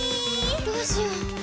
どうしよう。